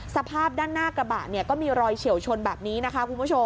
สภาพด้านหน้ากระบะก็มีรอยเฉียวชนแบบนี้นะคะ